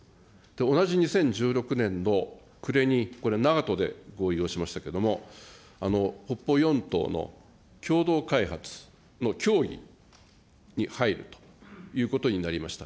同じ２０１６年の暮れに、これ、ながとで合意をしましたけれども、北方四島の共同開発の協議に入るということになりました。